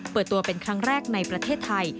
เปิดตัวเป็นครั้งแรกในประเทศไทย